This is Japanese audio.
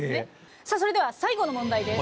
さあそれでは最後の問題です。